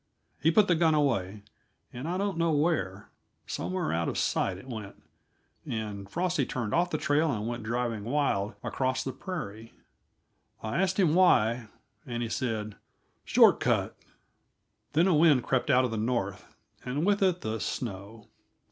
He put the gun away, and I don't know where; somewhere out of sight it went, and Frosty turned off the trail and went driving wild across the prairie. I asked him why, and he said, "Short cut." Then a wind crept out of the north, and with it the snow.